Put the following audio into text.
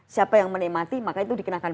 siapa yang menikmati maka itu dikenakan